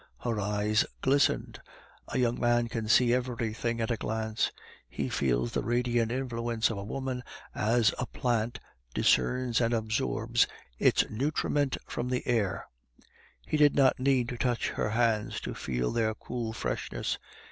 Her eyes glistened. A young man can see everything at a glance; he feels the radiant influence of woman as a plant discerns and absorbs its nutriment from the air; he did not need to touch her hands to feel their cool freshness.